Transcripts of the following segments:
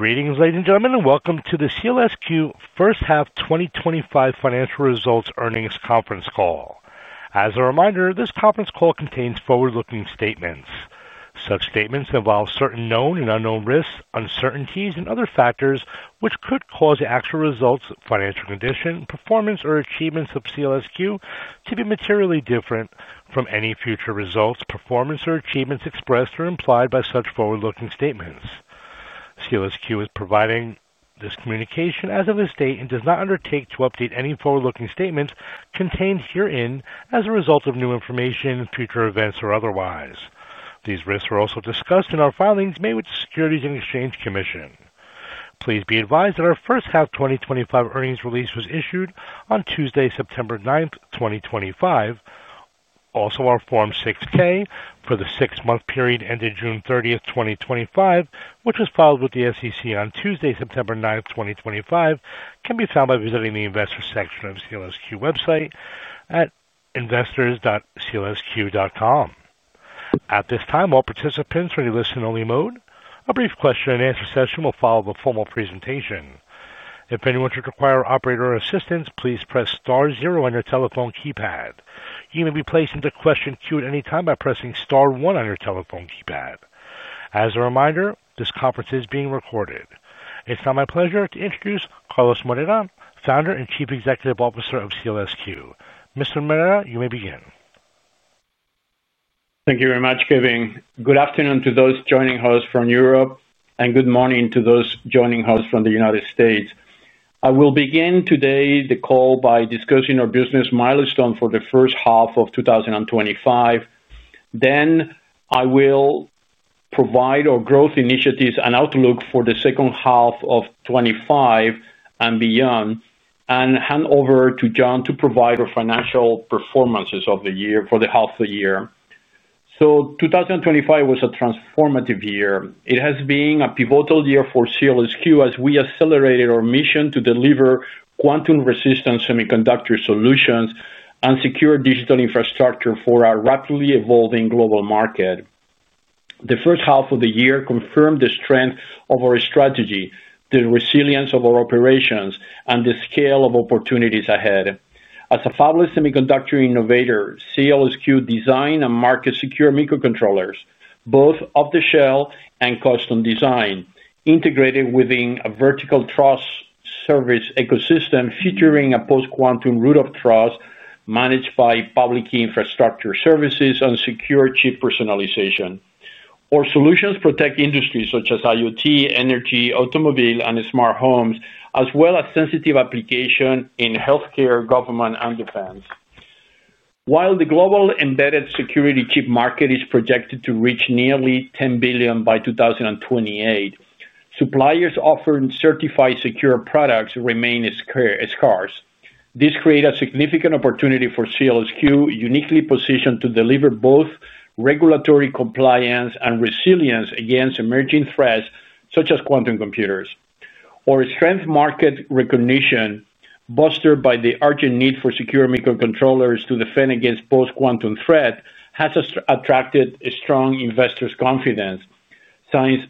Greetings, ladies and gentlemen. Welcome to the SEALSQ First Half 2025 Financial Results Earnings Conference Call. As a reminder, this conference call contains forward-looking statements. Such statements involve certain known and unknown risks, uncertainties, and other factors which could cause the actual results, financial condition, performance, or achievements of SEALSQ to be materially different from any future results, performance, or achievements expressed or implied by such forward-looking statements. SEALSQ is providing this communication as of this date and does not undertake to update any forward-looking statements contained herein as a result of new information, future events, or otherwise. These risks are also discussed in our filings made with the Securities and Exchange Commission. Please be advised that our First Half 2025 Earnings Release was issued on Tuesday, September 9, 2025. Also, our Form 6-K for the six-month period ending June 30, 2025, which was filed with the SEC on Tuesday, September 9, 2025, can be found by visiting the Investors section of the SEALSQ website at investors.sealsq.com. At this time, all participants are in a listen-only mode. A brief question and answer session will follow the formal presentation. If anyone should require operator assistance, please press star zero on your telephone keypad. You may be placed into question Q at any time by pressing star one on your telephone keypad. As a reminder, this conference is being recorded. It's now my pleasure to introduce Carlos Moreira, Founder and Chief Executive Officer of SEALSQ. Mr. Moreira, you may begin. Thank you very much, Kevin. Good afternoon to those joining us from Europe, and good morning to those joining us from the United States. I will begin today the call by discussing our business milestones for the first half of 2025. I will provide our growth initiatives and outlook for the second half of 2025 and beyond, and hand over to John to provide our financial performances of the year for the half of the year. 2025 was a transformative year. It has been a pivotal year for SEALSQ as we accelerated our mission to deliver quantum-resistant semiconductor solutions and secure digital infrastructure for our rapidly evolving global market. The first half of the year confirmed the strength of our strategy, the resilience of our operations, and the scale of opportunities ahead. As a fabless semiconductor innovator, SEALSQ designed and marketed secure microcontrollers, both off-the-shelf and custom designed, integrated within a vertical trust service ecosystem featuring a post-quantum root of trust managed by public infrastructure services and secure chip personalization. Our solutions protect industries such as IoT, energy, automobile, and smart homes, as well as sensitive applications in healthcare, government, and defense. While the global embedded security chip market is projected to reach nearly $10 billion by 2028, suppliers offering certified secure products remain scarce. This creates a significant opportunity for SEALSQ, uniquely positioned to deliver both regulatory compliance and resilience against emerging threats such as quantum computers. Our strength market recognition, bolstered by the urgent need for secure microcontrollers to defend against post-quantum threats, has attracted strong investors' confidence. Since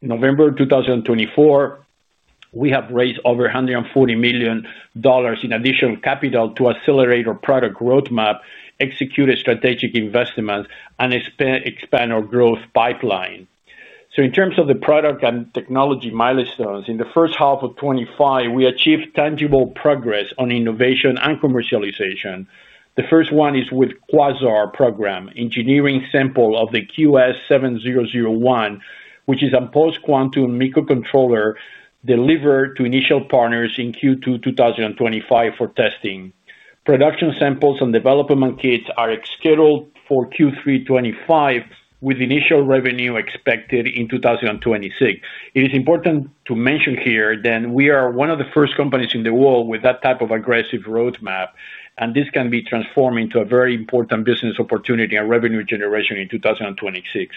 November 2024, we have raised over $140 million in additional capital to accelerate our product roadmap, execute strategic investments, and expand our growth pipeline. In terms of the product and technology milestones, in the first half of 2025, we achieved tangible progress on innovation and commercialization. The first one is with the Quasar program, engineering sample of the QS7001, which is a post-quantum microcontroller delivered to initial partners in Q2 2025 for testing. Production samples and development kits are scheduled for Q3 2025, with initial revenue expected in 2026. It is important to mention here that we are one of the first companies in the world with that type of aggressive roadmap, and this can be transformed into a very important business opportunity and revenue generation in 2026.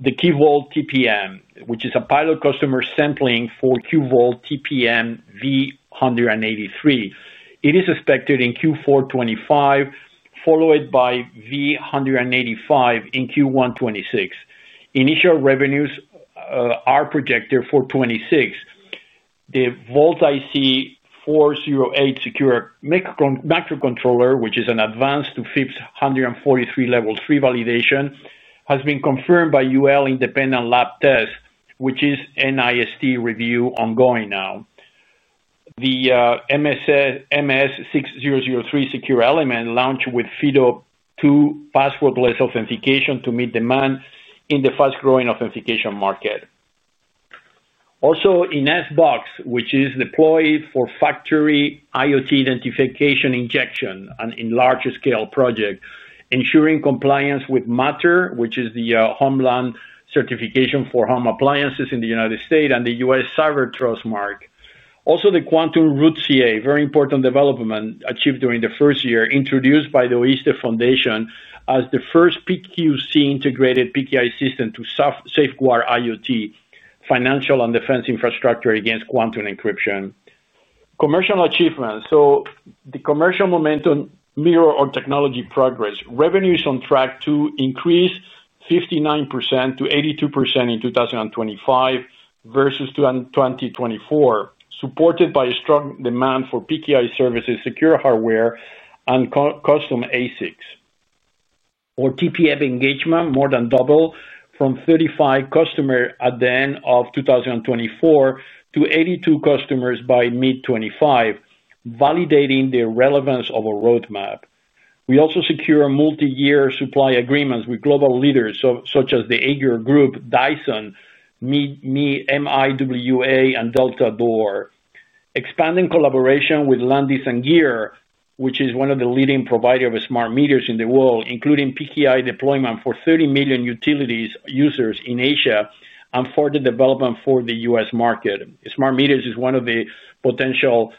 The QVOL TPM, which is a pilot customer sampling for QVOL TPM V183, is expected in Q4 2025, followed by V185 in Q1 2026. Initial revenues are projected for 2026. The Volt IC408 secure microcontroller, which is advanced to FIPS 143 Level 3 validation, has been confirmed by UL Independent Lab Test, with its NIST review ongoing now. The MS6003 secure element launched with FIDO2 passwordless authentication to meet demand in the fast-growing authentication market. Also, in SBox, which is deployed for factory IoT identification injection in a large-scale project, ensuring compliance with MATTER, which is the Homeland Certification for Home Appliances in the United States, and the U.S. Cyber Trust Mark. Also, the Quantum Root CA, a very important development achieved during the first year, introduced by the OISTE Foundation as the first PQC integrated PKI system to safeguard IoT, financial, and defense infrastructure against quantum encryption. Commercial achievements. The commercial momentum mirrors our technology progress. Revenues on track to increase 59% to 82% in 2025 versus 2024, supported by strong demand for PKI services, secure hardware, and custom ASICs. Our TPM engagement more than doubled from 35 customers at the end of 2024 to 82 customers by mid 2025, validating the relevance of our roadmap. We also secure multi-year supply agreements with global leaders such as the Aegir Group, Dyson, MIWA, and Delta Door. Expanding collaboration with Landis+Gyr, which is one of the leading providers of smart meters in the world, including PKI deployment for 30 million utility users in Asia, and further development for the U.S. market. Smart meters is one of the potential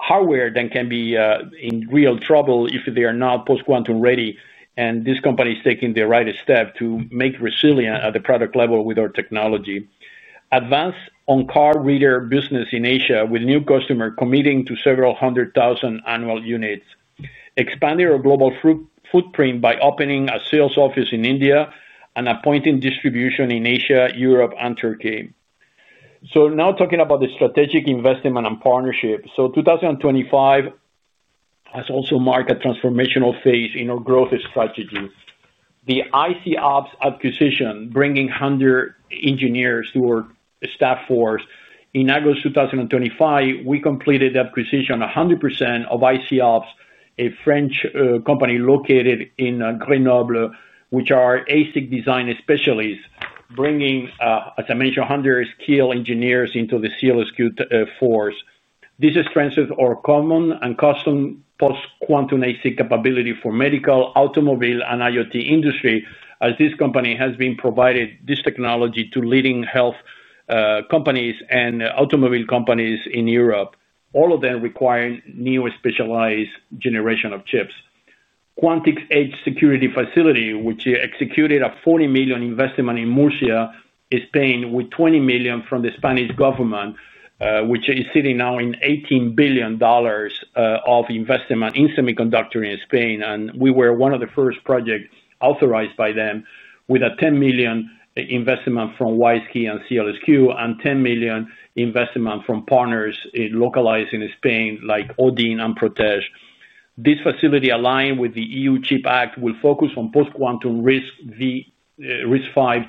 hardware that can be in real trouble if they are not post-quantum ready, and this company is taking the right step to make resilient at the product level with our technology. Advanced on-card reader business in Asia, with new customers committing to several hundred thousand annual units. Expanding our global footprint by opening a sales office in India and appointing distribution in Asia, Europe, and Turkey. Now talking about the strategic investment and partnership. 2025 has also marked a transformational phase in our growth strategy. The IC’ALPS acquisition, bringing 100 engineers to our staff force. In August 2025, we completed the acquisition 100% of IC’ALPS, a French company located in Grenoble, which are ASIC design specialists, bringing, as I mentioned, 100 skilled engineers into the SEALSQ force. This strengthens our common and custom post-quantum ASIC capability for medical, automobile, and IoT industry, as this company has been providing this technology to leading health companies and automobile companies in Europe, all of them requiring new specialized generation of chips. Quantix Edge Security Facility, which executed a $40 million investment in Murcia, Spain, with $20 million from the Spanish government, which is sitting now in $18 billion of investment in semiconductor in Spain. We were one of the first projects authorized by them, with a $10 million investment from WISeKey and SEALSQ, and $10 million investment from partners localized in Spain, like Odin and Protech. This facility, aligned with the EU Chip Act, will focus on post-quantum RISC-V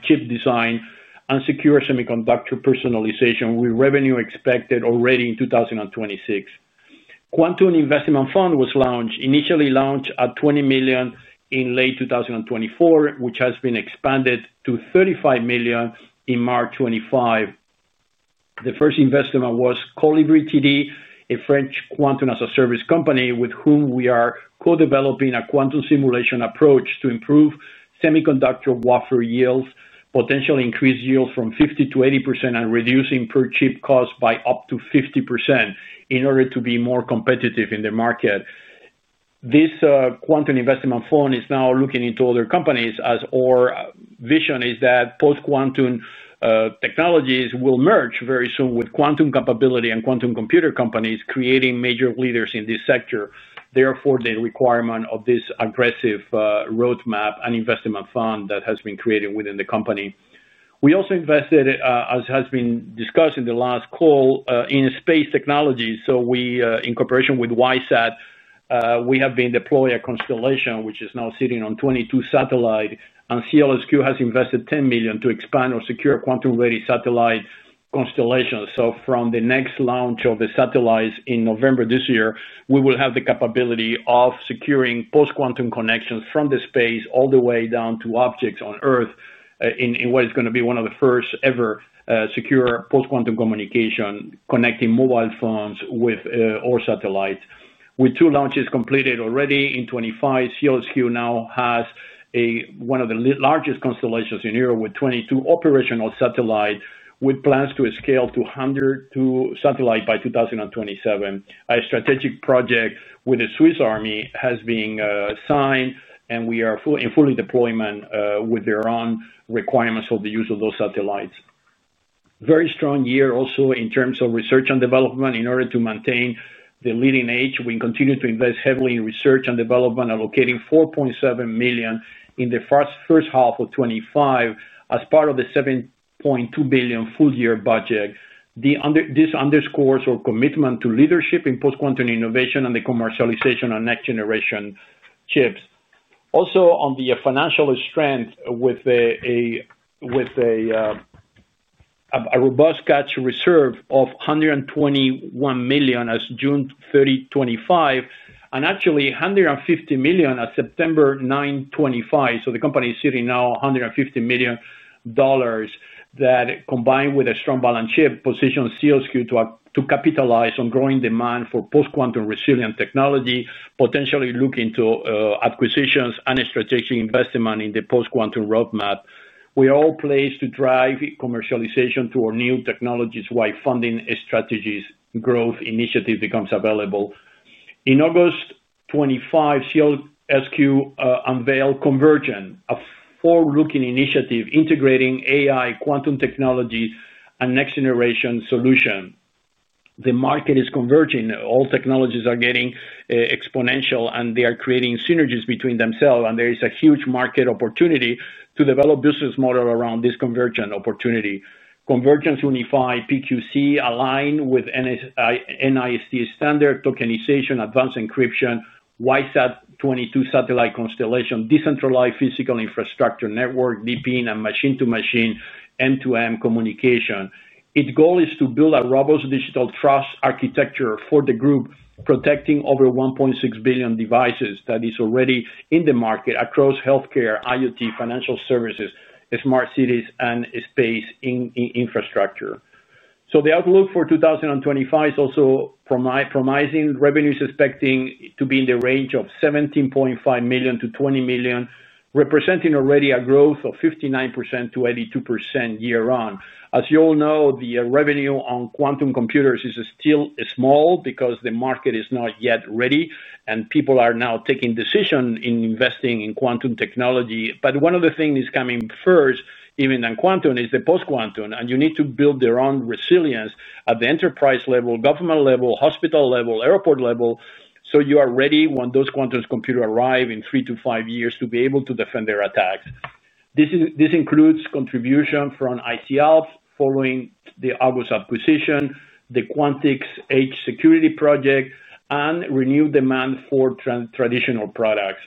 chip design and secure semiconductor personalization, with revenue expected already in 2026. The Quantum Investment Fund was initially launched at $20 million in late 2024, which has been expanded to $35 million in March 2025. The first investment was Colibri TD, a French quantum as a service company with whom we are co-developing a quantum simulation approach to improve semiconductor wafer yields, potentially increase yields from 50% to 80%, and reduce per-chip cost by up to 50% in order to be more competitive in the market. This Quantum Investment Fund is now looking into other companies, as our vision is that post-quantum technologies will merge very soon with quantum capability and quantum computer companies, creating major leaders in this sector. Therefore, the requirement of this aggressive roadmap and investment fund that has been created within the company. We also invested, as has been discussed in the last call, in space technologies. In cooperation with WISAT, we have been deploying a constellation, which is now sitting on 22 satellites, and SEALSQ has invested $10 million to expand our secure quantum-ready satellite constellation. From the next launch of the satellites in November this year, we will have the capability of securing post-quantum connections from space all the way down to objects on Earth in what is going to be one of the first ever secure post-quantum communications, connecting mobile phones with our satellites. With two launches completed already in 2025, SEALSQ now has one of the largest constellations in Europe, with 22 operational satellites, with plans to scale to 102 satellites by 2027. A strategic project with the Swiss Army has been signed, and we are in full deployment with their own requirements of the use of those satellites. A very strong year also in terms of research and development. In order to maintain the leading edge, we continue to invest heavily in research and development, allocating $4.7 million in the first half of 2025 as part of the $7.2 billion full-year budget. This underscores our commitment to leadership in post-quantum innovation and the commercialization of next-generation chips. Also, on the financial strength, with a robust cash reserve of $121 million as of June 30, 2025, and actually $150 million as of September 9, 2025. The company is sitting now on $150 million that, combined with a strong balance sheet, positions SEALSQ to capitalize on growing demand for post-quantum resilient technology, potentially looking to acquisitions and strategic investment in the post-quantum roadmap. We are all pleased to drive commercialization through our new technologies while funding strategies and growth initiatives become available. In August 2025, SEALSQ unveiled Convergence, a forward-looking initiative integrating AI, quantum technology, and next-generation solutions. The market is converging. All technologies are getting exponential, and they are creating synergies between themselves, and there is a huge market opportunity to develop a business model around this convergence opportunity. Convergence unified PQC, aligned with NIST standard tokenization, advanced encryption, WISAT 22 satellite constellation, decentralized physical infrastructure network, VPN, and machine-to-machine, end-to-end communication. Its goal is to build a robust digital trust architecture for the group, protecting over 1.6 billion devices that are already in the market across healthcare, IoT, financial services, smart cities, and space infrastructure. The outlook for 2025 is also promising. Revenues expected to be in the range of $17.5 million to $20 million, representing already a growth of 59% to 82% year-on. As you all know, the revenue on quantum computers is still small because the market is not yet ready, and people are now taking decisions in investing in quantum technology. One of the things that is coming first, even in quantum, is the post-quantum, and you need to build their own resilience at the enterprise level, government level, hospital level, and airport level, so you are ready when those quantum computers arrive in three to five years to be able to defend their attacks. This includes contributions from IT Ops following the August acquisition, the Quantix Edge Security project, and renewed demand for traditional products.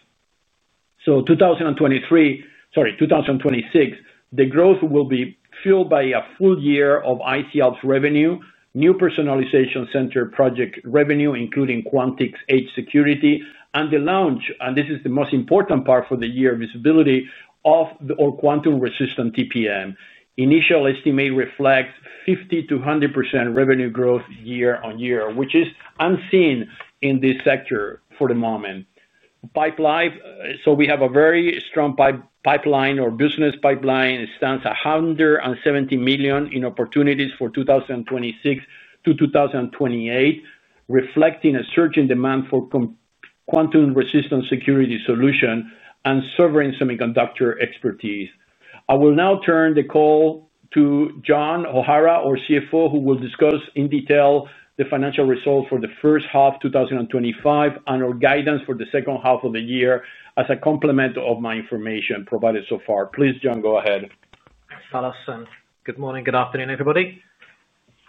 2023, sorry, 2026, the growth will be fueled by a full year of IT Ops revenue, new personalization center project revenue, including Quantix Edge Security, and the launch, and this is the most important part for the year, visibility of our quantum-resistant TPM. Initial estimates reflect 50% to 100% revenue growth year-on-year, which is unseen in this sector for the moment. Pipeline. We have a very strong pipeline, our business pipeline stands at $170 million in opportunities for 2026 to 2028, reflecting a surge in demand for quantum-resistant security solutions and server and semiconductor expertise. I will now turn the call to John O'Hara, our CFO, who will discuss in detail the financial results for the first half of 2025 and our guidance for the second half of the year as a complement of my information provided so far. Please, John, go ahead. Thanks, Alison. Good morning, good afternoon, everybody.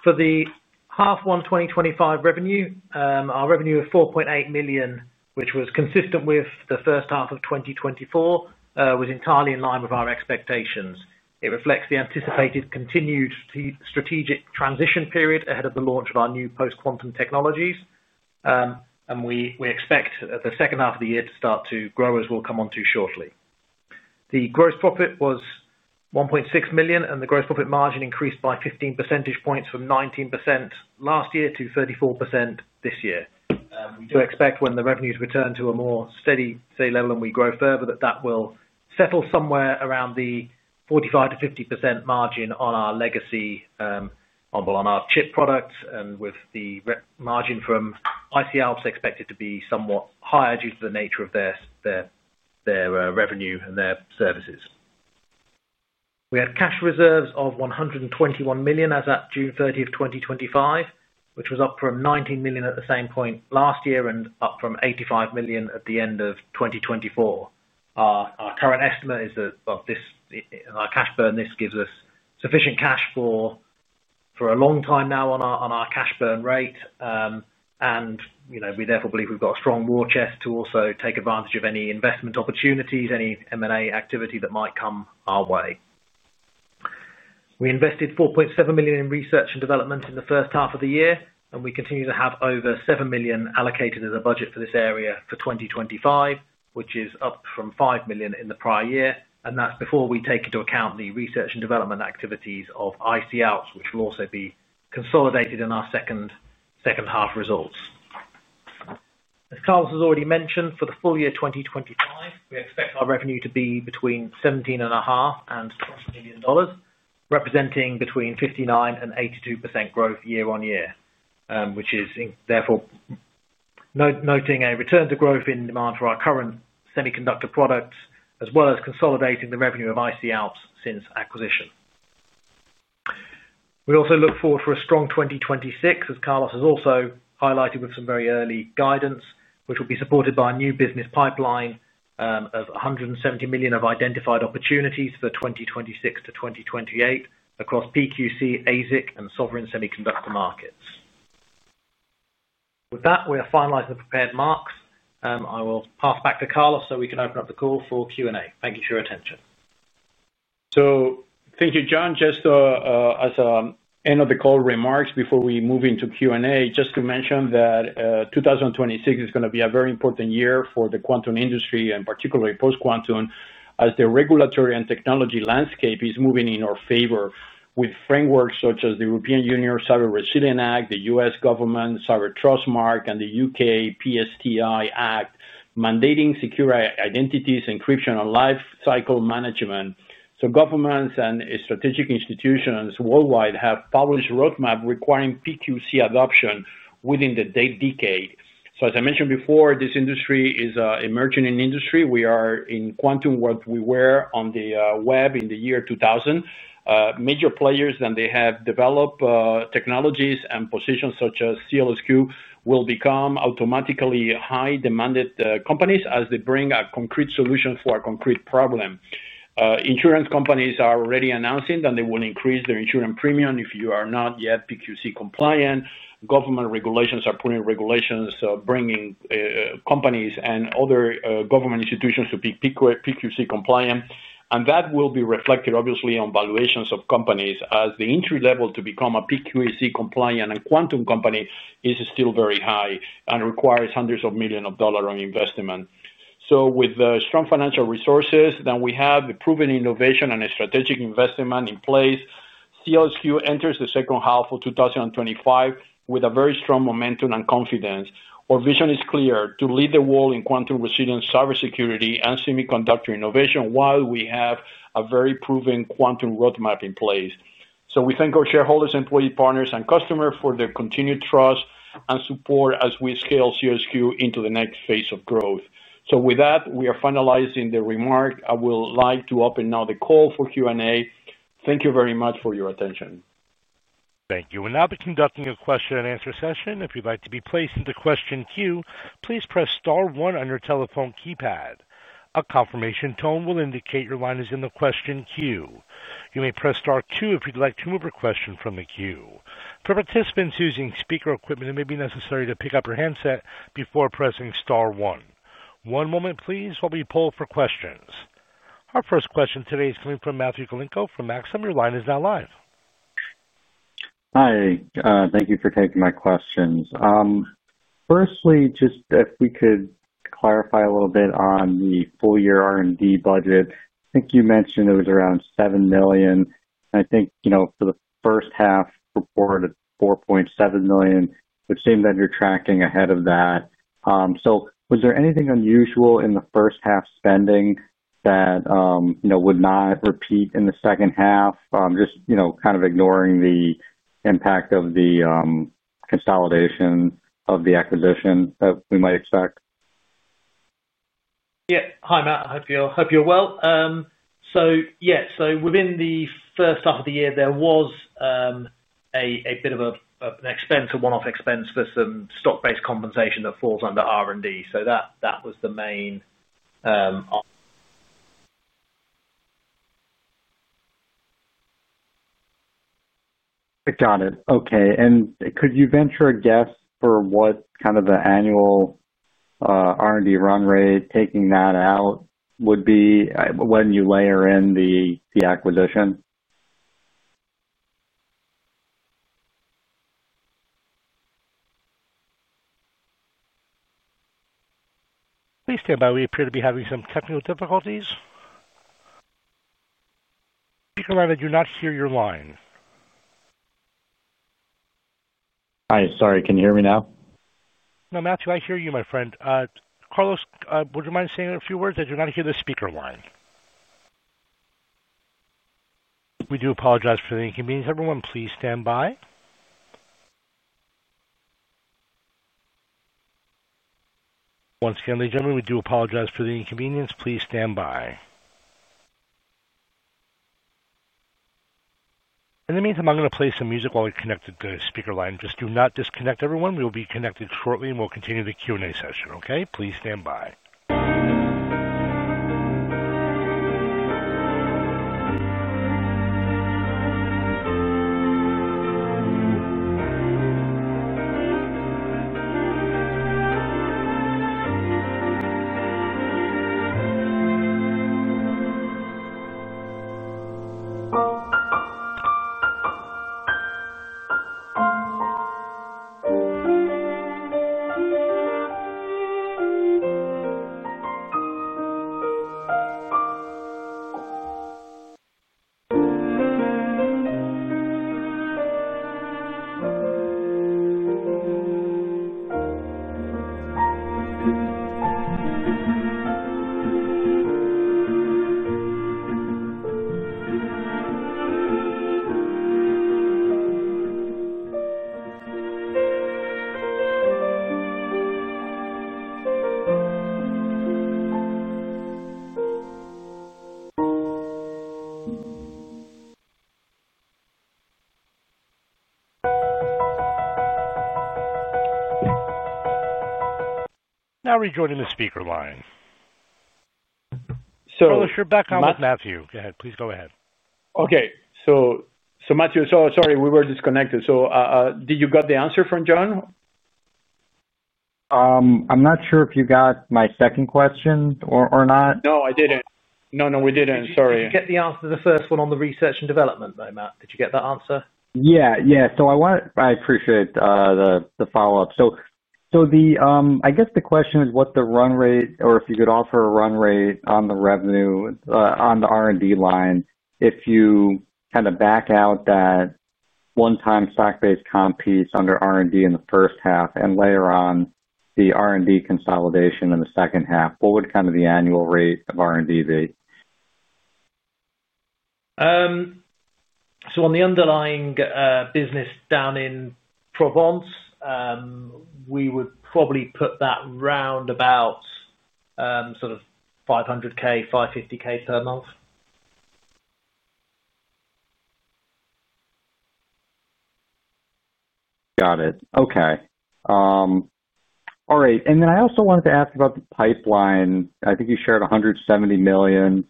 For the half one 2025 revenue, our revenue of $4.8 million, which was consistent with the first half of 2024, was entirely in line with our expectations. It reflects the anticipated continued strategic transition period ahead of the launch of our new post-quantum technologies, and we expect the second half of the year to start to grow, as we'll come on to shortly. The gross profit was $1.6 million, and the gross profit margin increased by 15 percentage points from 19% last year to 34% this year. We do expect when the revenues return to a more steady, say, level, and we grow further, that that will settle somewhere around the 45% to 50% margin on our legacy, on our chip products, and with the margin from IT Ops expected to be somewhat higher due to the nature of their revenue and their services. We had cash reserves of $121 million as at June 30, 2025, which was up from $19 million at the same point last year and up from $85 million at the end of 2024. Our current estimate is that this cash burn gives us sufficient cash for a long time now on our cash burn rate, and we therefore believe we've got a strong war chest to also take advantage of any investment opportunities, any M&A activity that might come our way. We invested $4.7 million in research and development in the first half of the year, and we continue to have over $7 million allocated as a budget for this area for 2025, which is up from $5 million in the prior year, and that's before we take into account the research and development activities of IC'ALPS, which will also be consolidated in our second half results. As Carlos has already mentioned, for the full year 2025, we expect our revenue to be between $17.5 million and $12 million, representing between 59% and 82% growth year-on-year, which is therefore noting a return to growth in demand for our current semiconductor products, as well as consolidating the revenue of IC'ALPS since acquisition. We also look forward to a strong 2026, as Carlos has also highlighted with some very early guidance, which will be supported by a new business pipeline of $170 million of identified opportunities for 2026 to 2028 across PQC, ASIC, and sovereign semiconductor markets. With that, we're finalizing the prepared marks. I will pass back to Carlos so we can open up the call for Q&A. Thank you for your attention. Thank you, John. Just as end-of-the-call remarks before we move into Q&A, just to mention that 2026 is going to be a very important year for the quantum industry, and particularly post-quantum, as the regulatory and technology landscape is moving in our favor with frameworks such as the European Union Cyber Resilience Act, the U.S. Government Cyber Trust Mark, and the UK PSTI Act mandating secure identities, encryption, and lifecycle management. Governments and strategic institutions worldwide have published roadmaps requiring PQC adoption within the decade. As I mentioned before, this industry is an emerging industry. We are in quantum where we were on the web in the year 2000. Major players that have developed technologies and positions such as SEALSQ will become automatically high-demand companies as they bring a concrete solution for a concrete problem. Insurance companies are already announcing that they will increase their insurance premium if you are not yet PQC compliant. Government regulations are putting regulations bringing companies and other government institutions to be PQC compliant, and that will be reflected obviously on valuations of companies as the entry level to become a PQC compliant and quantum company is still very high and requires hundreds of millions of dollars on investment. With the strong financial resources that we have, the proven innovation and strategic investment in place, SEALSQ enters the second half of 2025 with very strong momentum and confidence. Our vision is clear: to lead the world in quantum resilience, cybersecurity, and semiconductor innovation while we have a very proven quantum roadmap in place. We thank our shareholders, employees, partners, and customers for their continued trust and support as we scale SEALSQ into the next phase of growth. With that, we are finalizing the remarks. I would like to open now the call for Q&A. Thank you very much for your attention. Thank you. We'll now be conducting a question and answer session. If you'd like to be placed into question queue, please press star one on your telephone keypad. A confirmation tone will indicate your line is in the question queue. You may press star two if you'd like to move your question from the queue. For participants using speaker equipment, it may be necessary to pick up your handset before pressing star one. One moment, please. We'll be polled for questions. Our first question today is coming from Matthew Galinko from AXA. Your line is now live. Hi. Thank you for taking my questions. Firstly, just if we could clarify a little bit on the full-year R&D budget. I think you mentioned it was around $7 million, and I think, you know, for the first half reported $4.7 million, it seemed that you're tracking ahead of that. Was there anything unusual in the first half spending that would not repeat in the second half, just kind of ignoring the impact of the consolidation of the acquisition that we might expect? Hi, Matt. I hope you're well. Within the first half of the year, there was a bit of an expense, a one-off expense for some stock-based compensation that falls under R&D. That was the main. Got it. Okay. Could you venture a guess for what kind of the annual R&D run rate, taking that out, would be when you layer in the acquisition? Please stay by. We appear to be having some technical difficulties. Speaker one, I do not hear your line. Hi. Sorry, can you hear me now? No, Matthew, I hear you, my friend. Carlos, would you mind saying a few words? I do not hear the speaker line. We do apologize for the inconvenience. Everyone, please stand by. Once again, ladies and gentlemen, we do apologize for the inconvenience. Please stand by. In the meantime, I'm going to play some music while we connect to the speaker line. Just do not disconnect, everyone. We will be connected shortly, and we'll continue the Q&A session. Okay? Please stand by. Now rejoining the speaker line. So. Carlos, you're back on. Matthew. Please go ahead. Matthew, sorry, we were disconnected. Did you get the answer from John? I'm not sure if you got my second question or not. No, I didn't. No, we didn't. Sorry. Did you get the answer to the first one on the research and development, Matt? Did you get that answer? I appreciate the follow-up. I guess the question is what the run rate, or if you could offer a run rate on the revenue on the R&D line, if you kind of back out that one-time stock-based comp piece under R&D in the first half and layer on the R&D consolidation in the second half, what would kind of the annual rate of R&D be? On the underlying business down in Provence, we would probably put that round about $500,000, $550,000 per month. Okay. I also wanted to ask about the pipeline. I think you shared $170 million.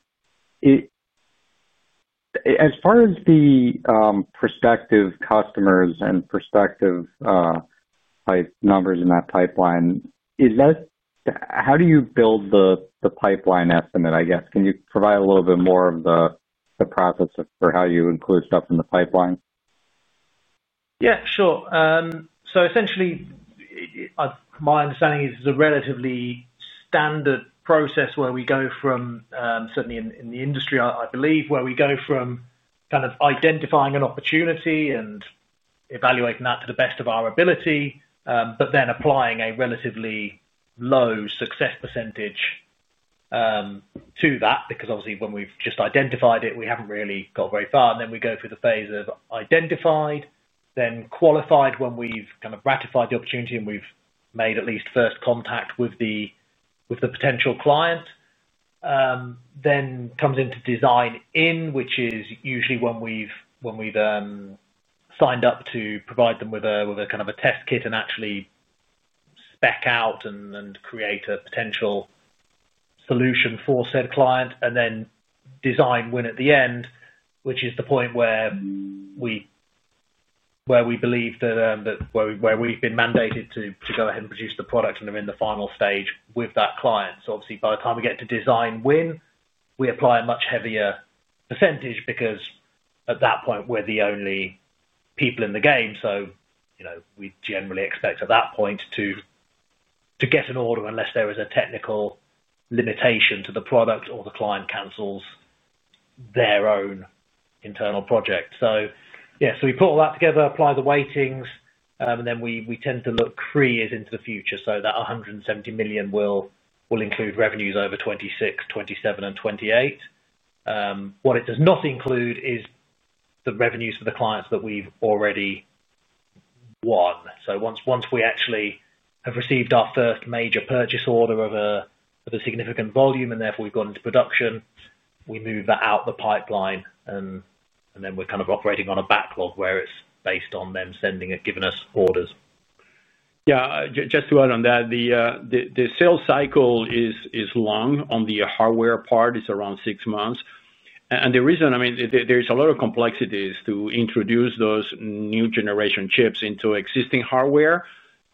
As far as the prospective customers and prospective numbers in that pipeline, how do you build the pipeline estimate? Can you provide a little bit more of the process for how you include stuff in the pipeline? Yeah, sure. Essentially, my understanding is it's a relatively standard process where we go from, certainly in the industry, I believe, where we go from kind of identifying an opportunity and evaluating that to the best of our ability, but then applying a relatively low success % to that because obviously when we've just identified it, we haven't really got very far. We go through the phase of identified, then qualified when we've kind of ratified the opportunity and we've made at least first contact with the potential client. Then comes into design-in, which is usually when we've signed up to provide them with a kind of a test kit and actually spec out and create a potential solution for said client, and then design win at the end, which is the point where we believe that we've been mandated to go ahead and produce the product and are in the final stage with that client. Obviously, by the time we get to design-win, we apply a much heavier % because at that point, we're the only people in the game. We generally expect at that point to get an order unless there is a technical limitation to the product or the client cancels their own internal project. We put all that together, apply the weightings, and then we tend to look three years into the future. That $170 million will include revenues over 2026, 2027, and 2028. What it does not include is the revenues for the clients that we've already won. Once we actually have received our first major purchase order of a significant volume and therefore we've gone into production, we move that out the pipeline, and then we're kind of operating on a backlog where it's based on them sending it, giving us orders. Yeah, just to add on that, the sales cycle is long on the hardware part. It's around six months. The reason, I mean, there's a lot of complexities to introduce those new generation chips into existing hardware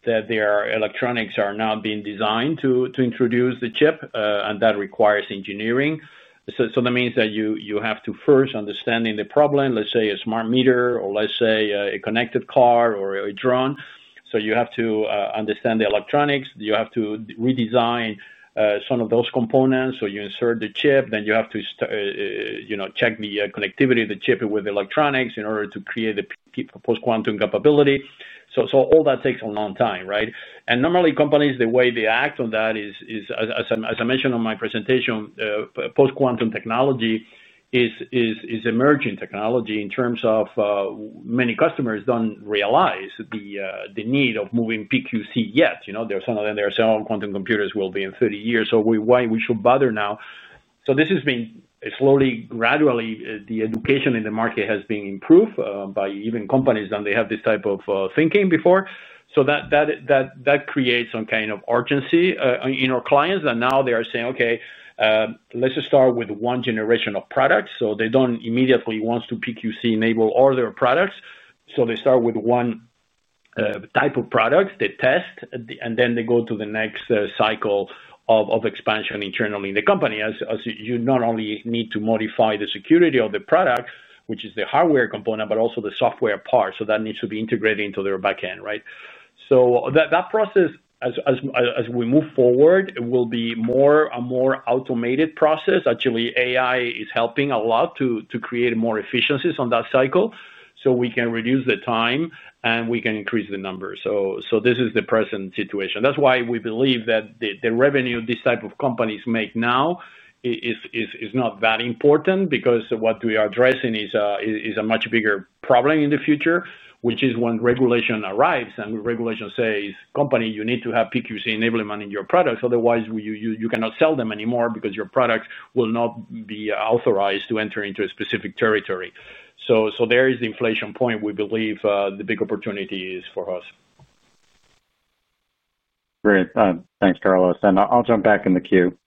that their electronics are now being designed to introduce the chip, and that requires engineering. That means that you have to first understand the problem, let's say a smart meter or let's say a connected car or a drone. You have to understand the electronics. You have to redesign some of those components. You insert the chip, then you have to check the connectivity of the chip with electronics in order to create the post-quantum capability. All that takes a long time, right? Normally, companies, the way they act on that is, as I mentioned on my presentation, post-quantum technology is emerging technology in terms of many customers don't realize the need of moving PQC yet. You know, there's some of them, they're saying, "Oh, quantum computers will be in 30 years. Why should we bother now?" This has been slowly, gradually, the education in the market has been improved by even companies that they have this type of thinking before. That creates some kind of urgency in our clients that now they are saying, "Okay, let's just start with one generation of products." They don't immediately want to PQC enable all their products. They start with one type of product, they test, and then they go to the next cycle of expansion internally in the company as you not only need to modify the security of the product, which is the hardware component, but also the software part. That needs to be integrated into their backend, right? That process, as we move forward, it will be more and more automated process. Actually, AI is helping a lot to create more efficiencies on that cycle so we can reduce the time and we can increase the numbers. This is the present situation. That's why we believe that the revenue these types of companies make now is not that important because what we are addressing is a much bigger problem in the future, which is when regulation arrives and regulation says, "Company you need to have PQC enablement in your products, otherwise you cannot sell them anymore because your products will not be authorized to enter into a specific territory." There is the inflection point we believe the big opportunity is for us. Great. Thanks, Carlos. I'll jump back in the queue.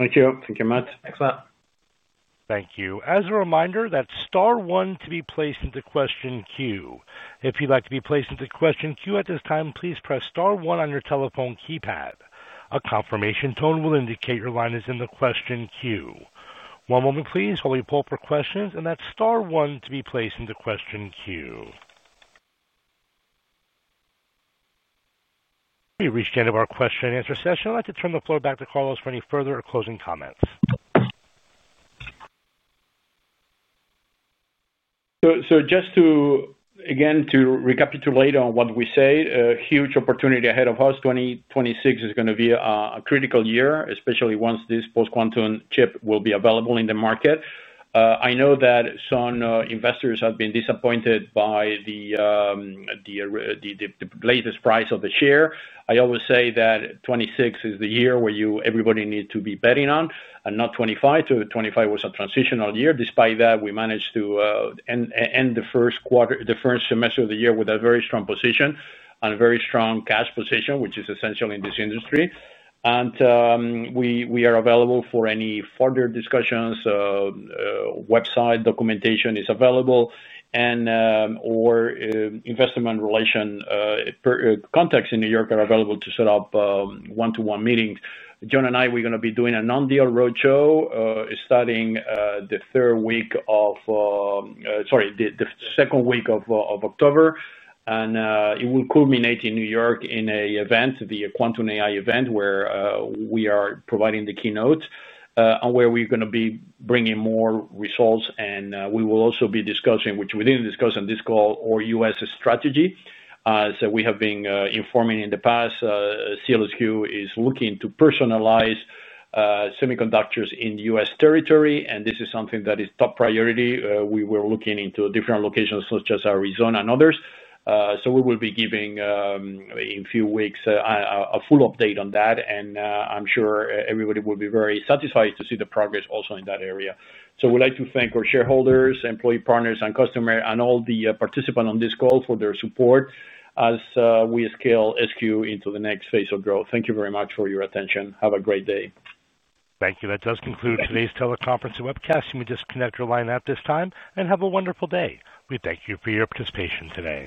Thank you. Thank you, Matthew. Excellent. Thank you. As a reminder, that's star one to be placed into question queue. If you'd like to be placed into question queue at this time, please press star one on your telephone keypad. A confirmation tone will indicate your line is in the question queue. One moment, please, while we pull up our questions. That's star one to be placed into question queue. We've reached the end of our question and answer session. I'd like to turn the floor back to Carlos for any further or closing comments. Just to recapitulate on what we said, a huge opportunity ahead of us. 2026 is going to be a critical year, especially once this post-quantum chip will be available in the market. I know that some investors have been disappointed by the latest price of the share. I always say that 2026 is the year where everybody needs to be betting on and not 2025. 2025 was a transitional year. Despite that, we managed to end the first quarter, the first semester of the year with a very strong position and a very strong cash position, which is essential in this industry. We are available for any further discussions. Website documentation is available, and investment relation contacts in New York are available to set up one-to-one meetings. John and I, we're going to be doing a non-deal roadshow starting the second week of October. It will culminate in New York in an event, the Quantum AI event, where we are providing the keynotes and where we're going to be bringing more results. We will also be discussing, which we didn't discuss on this call, our U.S. strategy. As we have been informing in the past, SEALSQ is looking to personalize semiconductors in the U.S. territory, and this is something that is top priority. We were looking into different locations such as Arizona and others. We will be giving in a few weeks a full update on that, and I'm sure everybody will be very satisfied to see the progress also in that area. We'd like to thank our shareholders, employee partners, and customers, and all the participants on this call for their support as we scale SEALSQ into the next phase of growth. Thank you very much for your attention. Have a great day. Thank you. That does conclude today's teleconference webcast. You may disconnect your line at this time and have a wonderful day. We thank you for your participation today.